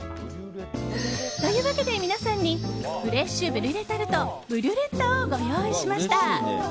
というわけで、皆さんにフレッシュブリュレタルトブリュレッタをご用意しました。